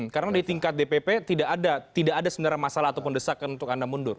karena di tingkat dpp tidak ada sebenarnya masalah ataupun desakan untuk anda mundur